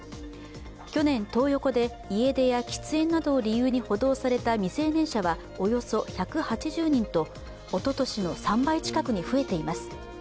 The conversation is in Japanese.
去年、トー横で家出や喫煙などを理由に補導された未成年者はおよそ１８０人と、おととしの３倍近くに増えいてます。